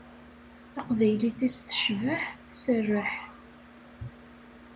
Taqbaylit-is tecbeḥ, tserreḥ.